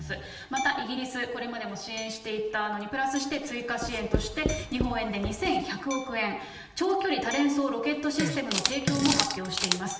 またイギリス、これまでも支援していたのにプラスして追加支援として、日本円で２１００億円、長距離多連装ロケットシステムの提供も発表しています。